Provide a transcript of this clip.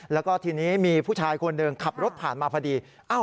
แล้วก็ทีนี้มีผู้ชายคนหนึ่งขับรถผ่านมาพอดี